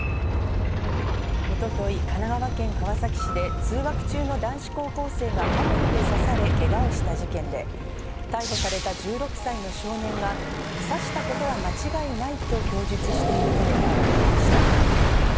一昨日、神奈川県川崎市で通学中の男子高校生が刃物で刺されけがをした事件で、逮捕された１６歳の少年が刺したことは間違いないと供述していることがわかりました。